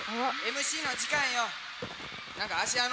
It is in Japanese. ＭＣの時間なの。